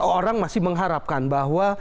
orang masih mengharapkan bahwa